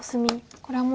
これはもう。